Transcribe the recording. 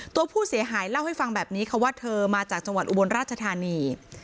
ตัวผู้เสียหายเล่าให้ฟังแบบนี้ค่ะว่าเธอมาจากจังหวัดอุบลราชธานี